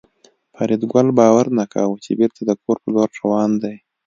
فریدګل باور نه کاوه چې بېرته د کور په لور روان دی